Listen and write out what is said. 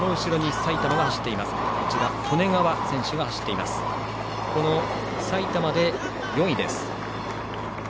埼玉が４位です。